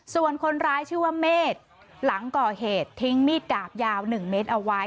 ส่วนคนร้ายชื่อว่าเมฆหลังก่อเหตุทิ้งมีดดาบยาว๑เมตรเอาไว้